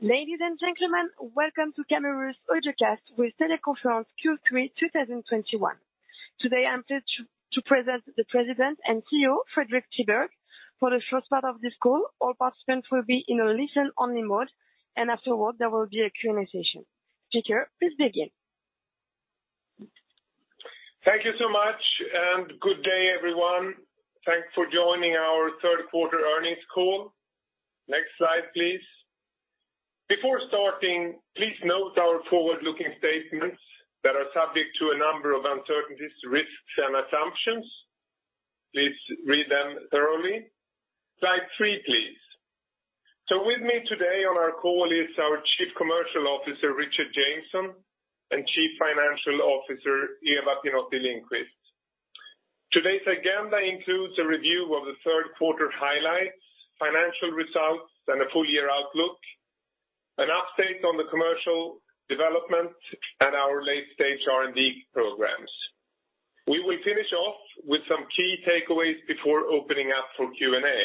Ladies and gentlemen, welcome to Camurus's audiocast with teleconference Q3 2021. Today, I'm pleased to present the President and CEO, Fredrik Tiberg. For the first part of this call, all participants will be in a listen-only mode, and afterward, there will be a Q&A session. Fredrik, please begin. Thank you so much, and good day, everyone. Thanks for joining our third quarter earnings call. Next slide, please. Before starting, please note our forward-looking statements that are subject to a number of uncertainties, risks, and assumptions. Please read them thoroughly. Slide three, please. With me today on our call is our Chief Commercial Officer, Richard Jameson, and Chief Financial Officer, Eva Pinotti-Lindqvist. Today's agenda includes a review of the third quarter highlights, financial results, and a full-year outlook, an update on the commercial development and our late-stage R&D programs. We will finish off with some key takeaways before opening up for Q&A.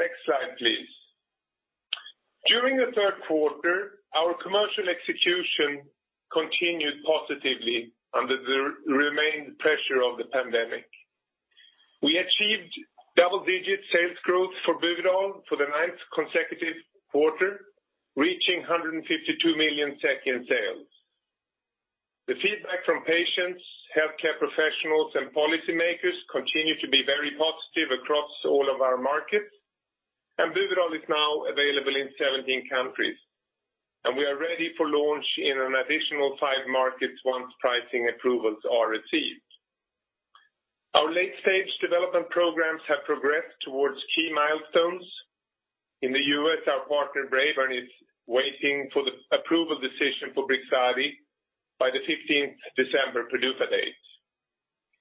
Next slide, please. During the third quarter, our commercial execution continued positively under the remaining pressure of the pandemic. We achieved double-digit sales growth for Buvidal for the ninth consecutive quarter, reaching 152 million in sales. The feedback from patients, healthcare professionals, and policymakers continue to be very positive across all of our markets. Buvidal is now available in 17 countries. We are ready for launch in an additional five markets once pricing approvals are received. Our late-stage development programs have progressed towards key milestones. In the U.S., our partner, Braeburn, is waiting for the approval decision for Brixadi by the 15th December PDUFA date.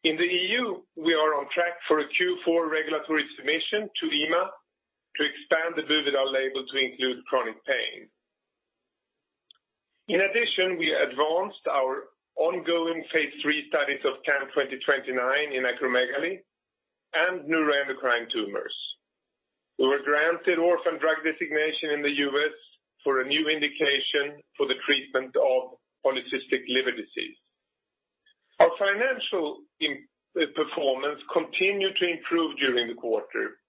In the EU, we are on track for a Q4 regulatory submission to EMA to expand the Buvidal label to include chronic pain. In addition, we advanced our ongoing phase III studies of CAM2029 in acromegaly and neuroendocrine tumors. We were granted orphan drug designation in the U.S. for a new indication for the treatment of polycystic liver disease. Our financial performance continued to improve during the quarter.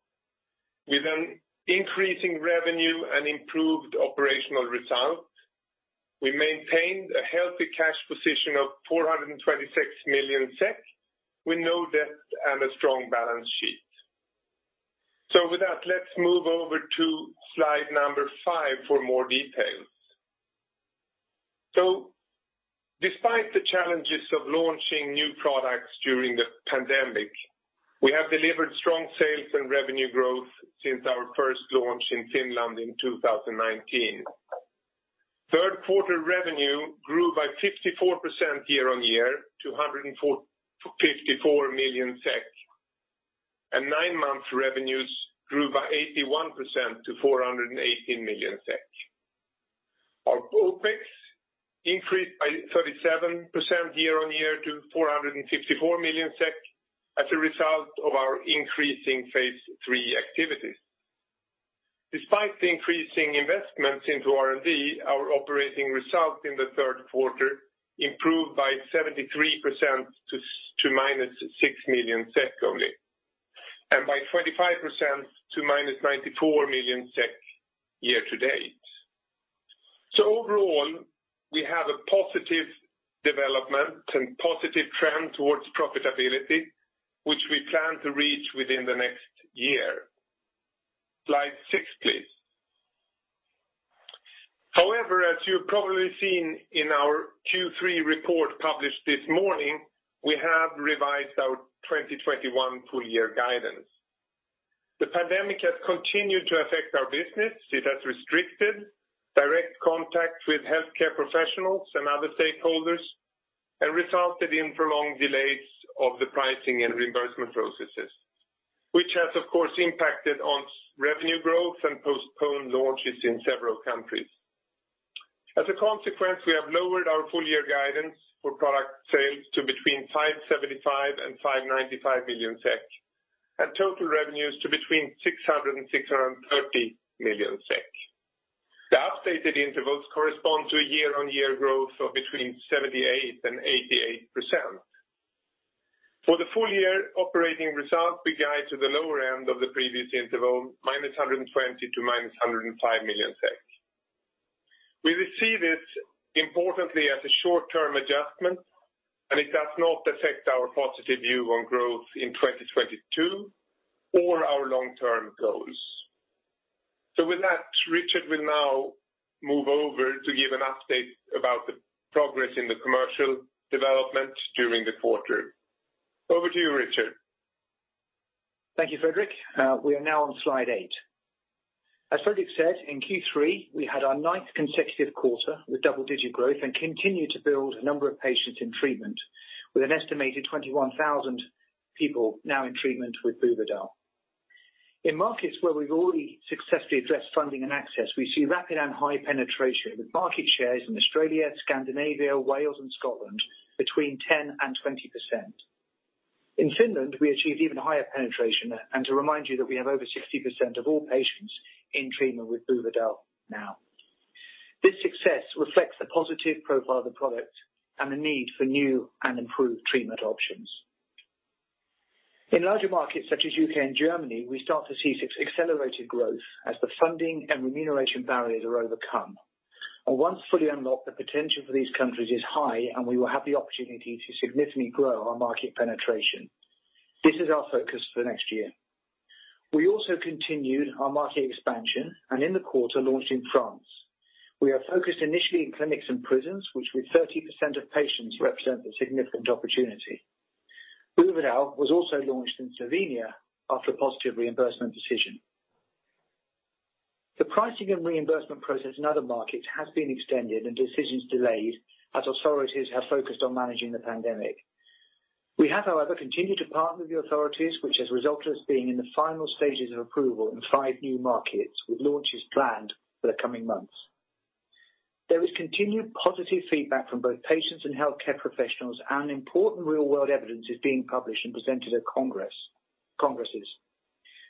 With an increasing revenue and improved operational results, we maintained a healthy cash position of 426 million SEK with no debt and a strong balance sheet. With that, let's move over to slide 5 for more details. Despite the challenges of launching new products during the pandemic, we have delivered strong sales and revenue growth since our first launch in Finland in 2019. Third quarter revenue grew by 54% year-on-year to 104.54 million SEK, and nine-month revenues grew by 81% to 418 million SEK. Our OPEX increased by 37% year-on-year to 454 million SEK as a result of our increasing phase III activities. Despite the increasing investments into R&D, our operating results in the third quarter improved by 73% to -6 million SEK only, and by 25% to -94 million SEK year to date. Overall, we have a positive development and positive trend towards profitability, which we plan to reach within the next year. Slide 6, please. However, as you've probably seen in our Q3 report published this morning, we have revised our 2021 full year guidance. The pandemic has continued to affect our business. It has restricted direct contact with healthcare professionals and other stakeholders and resulted in prolonged delays of the pricing and reimbursement processes, which has, of course, impacted on revenue growth and postponed launches in several countries. As a consequence, we have lowered our full-year guidance for product sales to between 575 million and 595 million SEK and total revenues to between 600 million SEK and 630 million SEK. The updated intervals correspond to a year-on-year growth of between 78% and 88%. For the full-year operating results, we guide to the lower end of the previous interval, -120 million to -105 million SEK. We will see this importantly as a short-term adjustment, and it does not affect our positive view on growth in 2022 or our long-term goals. With that, Richard will now move over to give an update about the progress in the commercial development during the quarter. Over to you, Richard. Thank you, Fredrik. We are now on slide 8. As Fredrik said, in Q3, we had our ninth consecutive quarter with double-digit growth and continued to build a number of patients in treatment with an estimated 21,000 people now in treatment with Buvidal. In markets where we've already successfully addressed funding and access, we see rapid and high penetration with market shares in Australia, Scandinavia, Wales, and Scotland between 10%-20%. In Finland, we achieved even higher penetration. To remind you that we have over 60% of all patients in treatment with Buvidal now. This success reflects the positive profile of the product and the need for new and improved treatment options. In larger markets such as U.K. and Germany, we start to see accelerated growth as the funding and remuneration barriers are overcome. Once fully unlocked, the potential for these countries is high, and we will have the opportunity to significantly grow our market penetration. This is our focus for next year. We also continued our market expansion and in the quarter launched in France. We are focused initially in clinics and prisons, which with 30% of patients represent a significant opportunity. Buvidal was also launched in Slovenia after a positive reimbursement decision. The pricing and reimbursement process in other markets has been extended and decisions delayed as authorities have focused on managing the pandemic. We have, however, continued to partner with the authorities, which has resulted as being in the final stages of approval in five new markets with launches planned for the coming months. There is continued positive feedback from both patients and healthcare professionals, and important real-world evidence is being published and presented at congresses.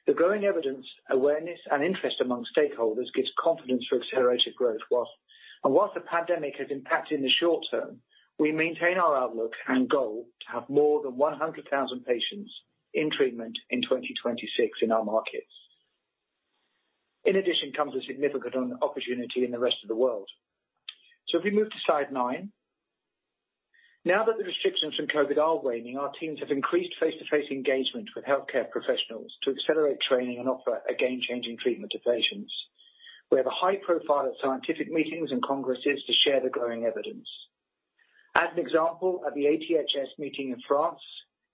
The growing evidence, awareness, and interest among stakeholders gives confidence for accelerated growth. While the pandemic has impacted in the short term, we maintain our outlook and goal to have more than 100,000 patients in treatment in 2026 in our markets. In addition comes a significant opportunity in the rest of the world. If we move to slide 9. Now that the restrictions from COVID are waning, our teams have increased face-to-face engagement with healthcare professionals to accelerate training and offer a game-changing treatment to patients. We have a high profile at scientific meetings and congresses to share the growing evidence. As an example, at the ATHS meeting in France,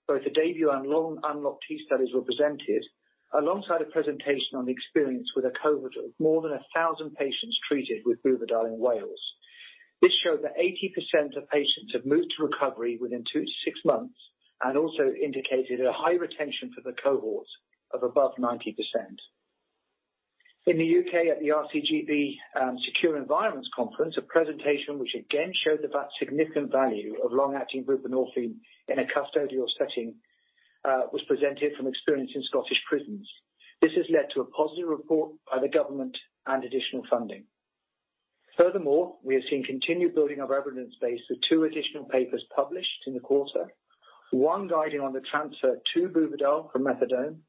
both the DEBUT and UNLOC-T case studies were presented alongside a presentation on the experience with a cohort of more than 1,000 patients treated with Buvidal in Wales. This showed that 80% of patients have moved to recovery within 2-6 months and also indicated a high retention for the cohort of above 90%. In the U.K. at the RCGP Secure Environments Conference, a presentation which again showed the significant value of long-acting buprenorphine in a custodial setting was presented from experience in Scottish prisons. This has led to a positive report by the government and additional funding. Furthermore, we have seen continued building of our evidence base with 2 additional papers published in the quarter, one guiding on the transfer to Buvidal from methadone,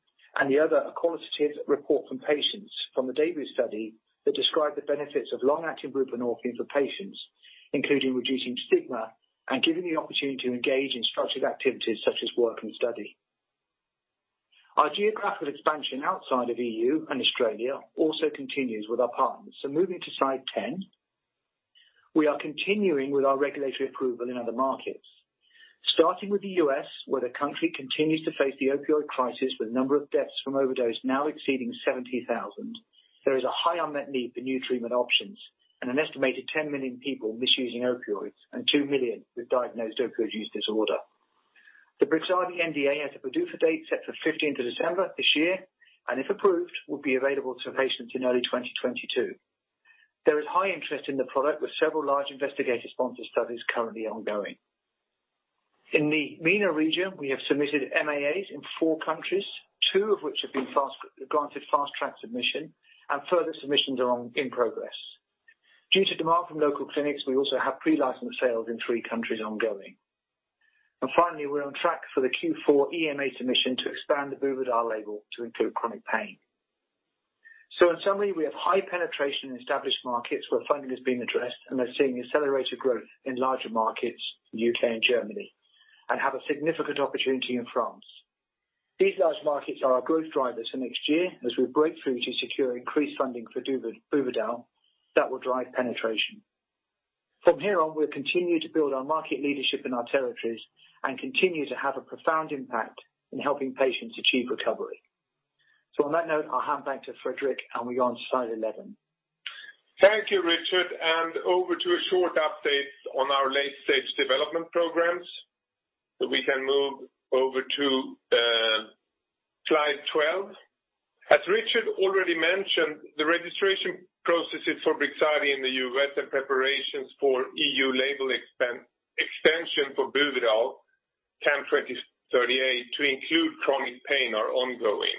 and the other a qualitative report from patients from the DEBUT study that describe the benefits of long-acting buprenorphine for patients, including reducing stigma and giving the opportunity to engage in structured activities such as work and study. Our geographical expansion outside of EU and Australia also continues with our partners. Moving to slide 10. We are continuing with our regulatory approval in other markets. Starting with the U.S., where the country continues to face the opioid crisis with number of deaths from overdose now exceeding 70,000. There is a high unmet need for new treatment options and an estimated 10 million people misusing opioids and 2 million with diagnosed opioid use disorder. The Brixadi NDA has a PDUFA date set for 15th of December this year, and if approved, will be available to patients in early 2022. There is high interest in the product with several large investigator-sponsored studies currently ongoing. In the MENA region, we have submitted MAAs in four countries, two of which have been fast, granted fast-track submission and further submissions are in progress. Due to demand from local clinics, we also have pre-license sales in three countries ongoing. Finally, we're on track for the Q4 EMA submission to expand the Buvidal label to include chronic pain. In summary, we have high penetration in established markets where funding is being addressed, and they're seeing accelerated growth in larger markets, UK and Germany, and have a significant opportunity in France. These large markets are our growth drivers for next year as we break through to secure increased funding for Buvidal that will drive penetration. From here on, we'll continue to build our market leadership in our territories and continue to have a profound impact in helping patients achieve recovery. On that note, I'll hand back to Fredrik, and we go on slide 11. Thank you, Richard. Over to a short update on our late-stage development programs. We can move over to slide 12. As Richard already mentioned, the registration processes for Brixadi in the U.S. and preparations for EU label extension for Buvidal, CAM2038 to include chronic pain are ongoing.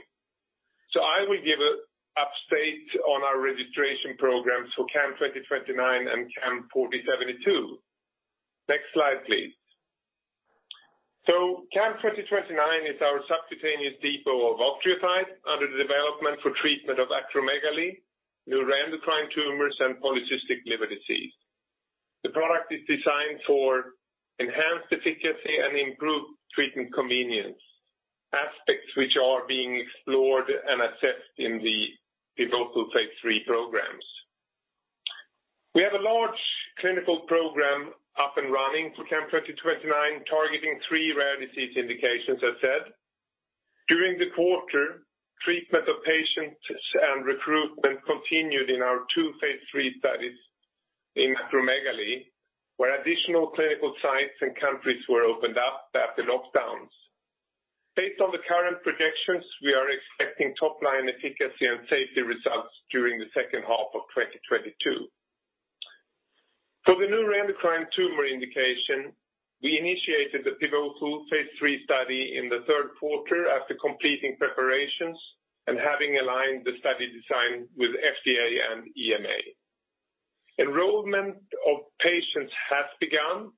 I will give an update on our registration programs for CAM2029 and CAM4072. Next slide, please. CAM2029 is our subcutaneous depot of octreotide under development for treatment of acromegaly, neuroendocrine tumors, and polycystic liver disease. The product is designed for enhanced efficacy and improved treatment convenience, aspects which are being explored and assessed in the pivotal phase III programs. We have a large clinical program up and running for CAM2029, targeting three rare disease indications as said. During the quarter, treatment of patients and recruitment continued in our two phase 3 studies in acromegaly, where additional clinical sites and countries were opened up after lockdowns. Based on the current projections, we are expecting top-line efficacy and safety results during the second half of 2022. For the neuroendocrine tumor indication, we initiated the pivotal phase 3 study in the third quarter after completing preparations and having aligned the study design with FDA and EMA. Enrollment of patients has begun,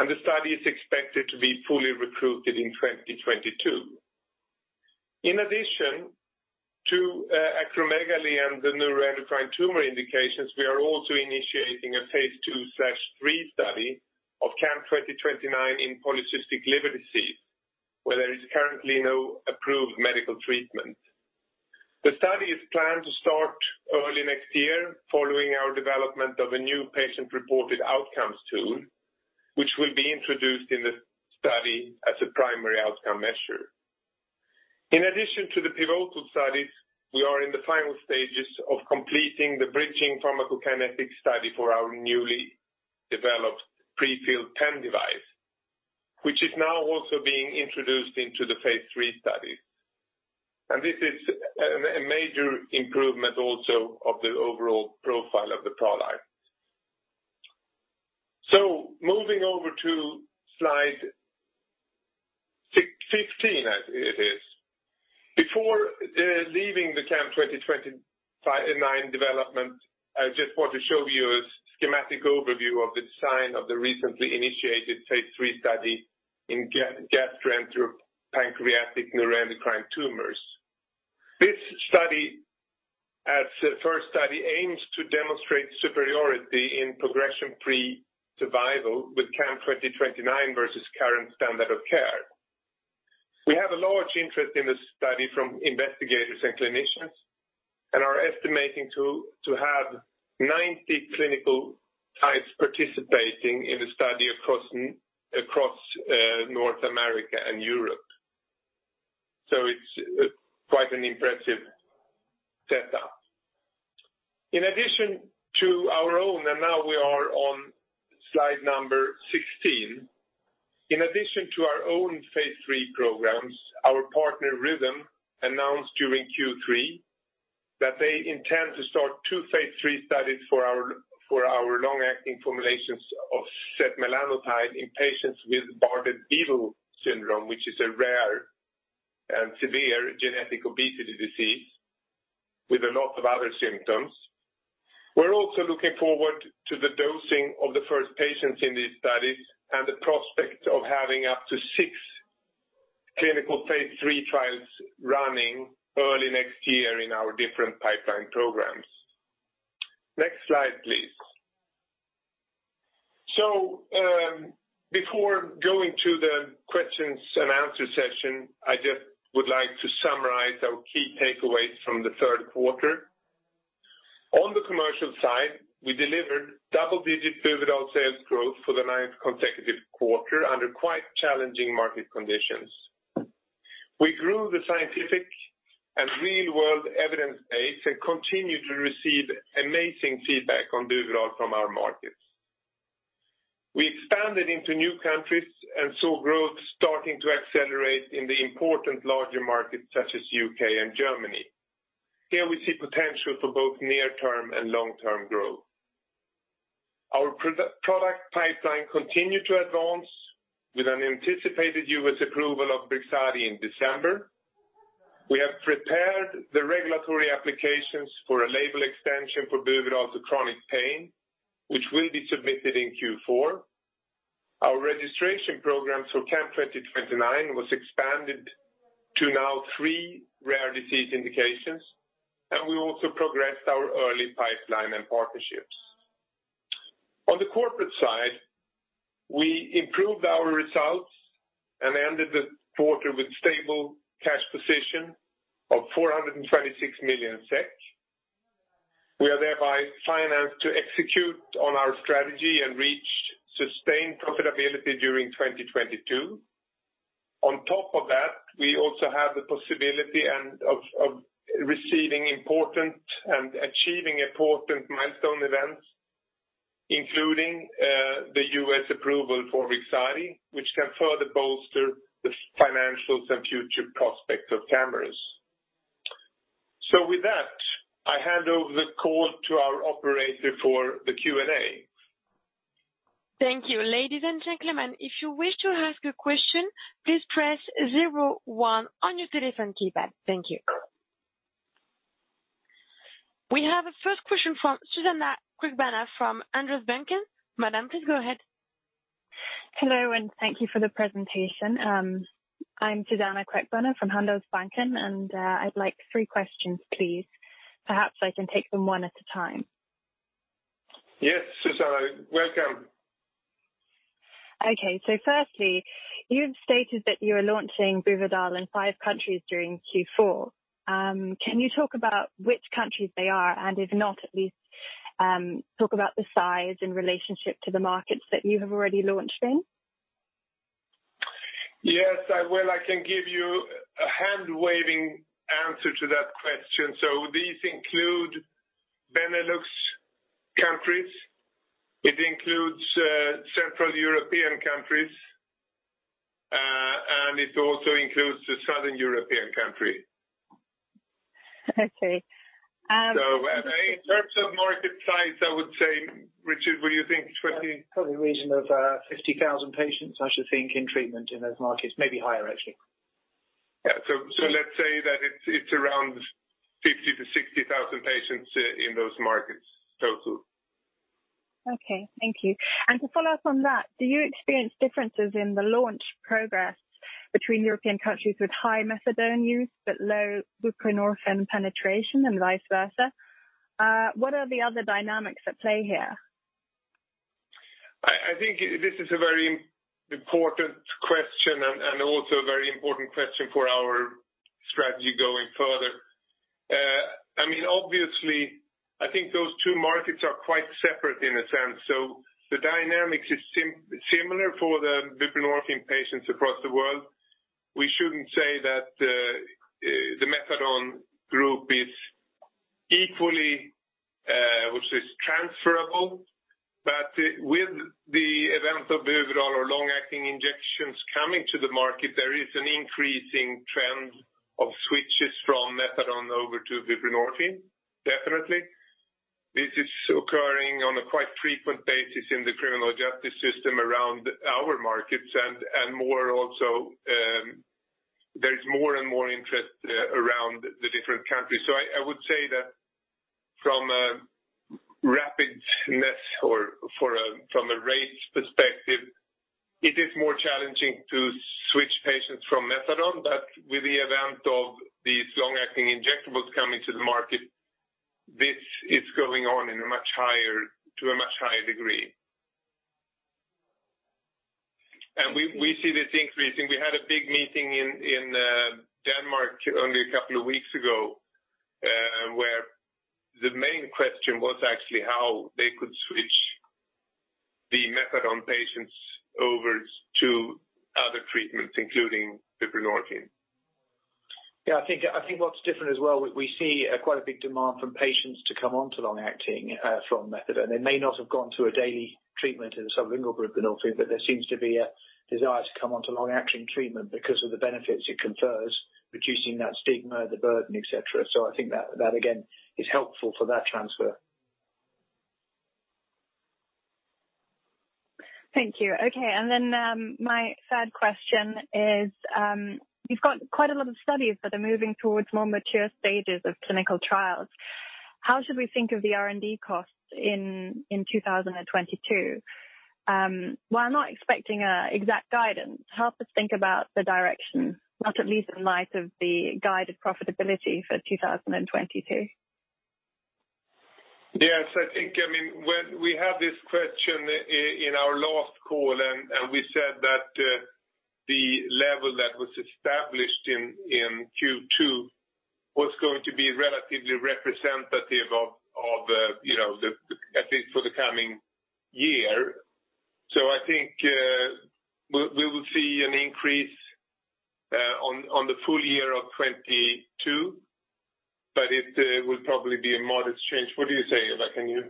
and the study is expected to be fully recruited in 2022. In addition to acromegaly and the neuroendocrine tumor indications, we are also initiating a phase 2/3 study of CAM2029 in polycystic liver disease, where there is currently no approved medical treatment. The study is planned to start early next year following our development of a new patient-reported outcomes tool, which will be introduced in the study as a primary outcome measure. In addition to the pivotal studies, we are in the final stages of completing the bridging pharmacokinetic study for our newly developed prefilled pen device, which is now also being introduced into the phase III study. This is a major improvement also of the overall profile of the product. Moving over to slide 615, I think it is. Before leaving the CAM2029 development, I just want to show you a schematic overview of the design of the recently initiated phase III study in gastroenteropancreatic neuroendocrine tumors. This study, as the first study, aims to demonstrate superiority in progression-free survival with CAM2029 versus current standard of care. We have a large interest in this study from investigators and clinicians, and are estimating to have 90 clinical sites participating in the study across North America and Europe. It's quite an impressive setup. Now we are on slide number 16. In addition to our own phase III programs, our partner Rhythm announced during Q3 that they intend to start two phase III studies for our long-acting formulations of setmelanotide in patients with Bardet-Biedl syndrome, which is a rare and severe genetic obesity disease with a lot of other symptoms. We're also looking forward to the dosing of the first patients in these studies and the prospect of having up to six clinical phase III trials running early next year in our different pipeline programs. Next slide, please. Before going to the questions and answer session, I just would like to summarize our key takeaways from the third quarter. On the commercial side, we delivered double-digit Buvidal sales growth for the ninth consecutive quarter under quite challenging market conditions. We grew the scientific and real-world evidence base and continue to receive amazing feedback on Buvidal from our markets. We expanded into new countries and saw growth starting to accelerate in the important larger markets such as U.K. and Germany. Here we see potential for both near-term and long-term growth. Our product pipeline continued to advance with an anticipated U.S. approval of Brixadi in December. We have prepared the regulatory applications for a label extension for Buvidal to chronic pain, which will be submitted in Q4. Our registration program for CAM2029 was expanded to now 3 rare disease indications, and we also progressed our early pipeline and partnerships. On the corporate side, we improved our results and ended the quarter with stable cash position of 426 million SEK. We are thereby financed to execute on our strategy and reach sustained profitability during 2022. On top of that, we also have the possibility of receiving and achieving important milestone events, including the U.S. approval for Brixadi, which can further bolster the financials and future prospects of Camurus. With that, I hand over the call to our operator for the Q&A. Thank you. Ladies and gentlemen, if you wish to ask a question, please press zero one on your telephone keypad. Thank you. We have a first question from Suzanna Queckbörner from Handelsbanken. Madam, please go ahead. Hello, and thank you for the presentation. I'm Suzanna Queckbörner from Handelsbanken, and I'd like three questions, please. Perhaps I can take them one at a time. Yes, Suzanna, welcome. Okay. Firstly, you've stated that you are launching Buvidal in five countries during Q4. Can you talk about which countries they are, and if not, at least talk about the size in relationship to the markets that you have already launched in? Yes. I will. I can give you a hand-waving answer to that question. These include Benelux countries. It includes several European countries, the Southern European country. Okay. In terms of market size, I would say, Richard, what do you think? Twenty- Probably in the region of 50,000 patients, I should think, in treatment in those markets. Maybe higher, actually. Let's say that it's around 50,000-60,000 patients in those markets total. Okay, thank you. To follow up on that, do you experience differences in the launch progress between European countries with high methadone use but low buprenorphine penetration and vice versa? What are the other dynamics at play here? I think this is a very important question and also a very important question for our strategy going further. I mean, obviously, I think those two markets are quite separate in a sense. The dynamics is similar for the buprenorphine patients across the world. We shouldn't say that the methadone group is equally which is transferable. With the advent of Buvidal or long-acting injections coming to the market, there is an increasing trend of switches from methadone over to buprenorphine, definitely. This is occurring on a quite frequent basis in the criminal justice system around our markets and more also, there's more and more interest around the different countries. I would say that from a rapidity, from a rate perspective, it is more challenging to switch patients from methadone. With the event of these long-acting injectables coming to the market, this is going on in a much higher, to a much higher degree. We see this increasing. We had a big meeting in Denmark only a couple of weeks ago, where the main question was actually how they could switch the methadone patients over to other treatments, including buprenorphine. Yeah, I think what's different as well, we see quite a big demand from patients to come on to long-acting from methadone. They may not have gone to a daily treatment in sublingual buprenorphine, but there seems to be a desire to come on to long-acting treatment because of the benefits it confers, reducing that stigma, the burden, et cetera. I think that again is helpful for that transfer. Thank you. My third question is, you've got quite a lot of studies that are moving towards more mature stages of clinical trials. How should we think of the R&D costs in 2022? While I'm not expecting an exact guidance, help us think about the direction, at least in light of the guided profitability for 2022. Yes. I think, I mean, when we had this question in our last call and we said that the level that was established in Q2 was going to be relatively representative of you know the at least for the coming year. I think we will see an increase on the full year of 2022, but it will probably be a modest change. What do you say, Eva? Can you...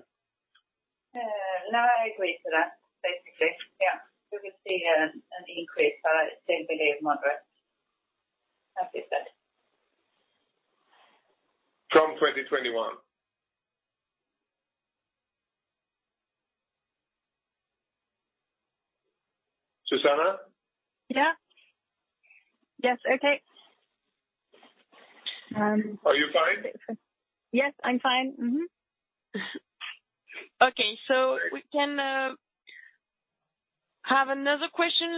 No, I agree to that, basically. Yeah. We will see an increase, but I think we gave moderate, as we said. From 2021. Suzanna? Yeah. Yes. Okay. Are you fine? Yes, I'm fine. Mm-hmm. Okay. We can have another question.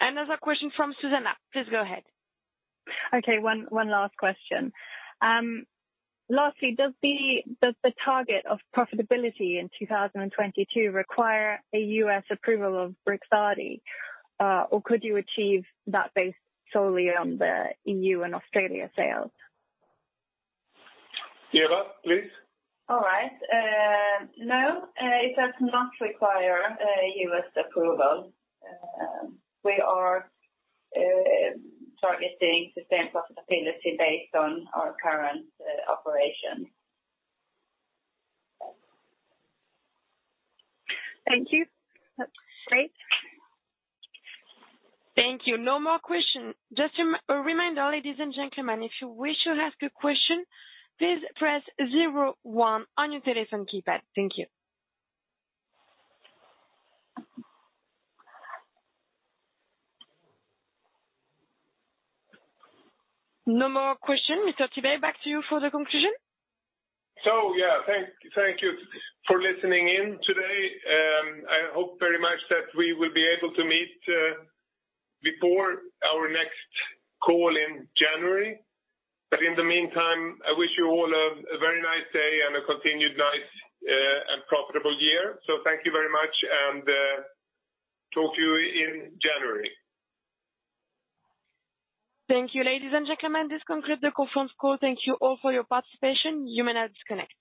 Another question from Suzanna. Please go ahead. One last question. Lastly, does the target of profitability in 2022 require a U.S. approval of Brixadi, or could you achieve that based solely on the EU and Australia sales? Eva, please. All right. No, it does not require U.S. approval. We are targeting the same profitability based on our current operation. Thank you. That's great. Thank you. No more question. Just a reminder, ladies and gentlemen, if you wish to ask a question, please press star one on your telephone keypad. Thank you. No more question. Mr. Tiberg, back to you for the conclusion. Yeah. Thank you for listening in today. I hope very much that we will be able to meet before our next call in January. In the meantime, I wish you all a very nice day and a continued nice and profitable year. Thank you very much, and talk to you in January. Thank you. Ladies and gentlemen, this concludes the conference call. Thank you all for your participation. You may now disconnect.